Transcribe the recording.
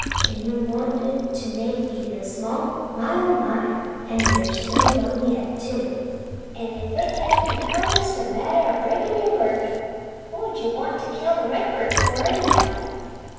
An' you wanted to make me feel small! My, oh, my! An' you so young yet, too! "An' if it hadn't a compassed a matter o' breakin' your word, what 'ud you want to kill the redbird for, anyhow?